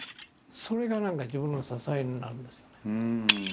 それが何か自分の支えになるんですよね。